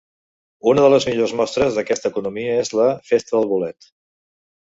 Una de les millors mostres d’aquesta economia és la Festa del Bolet.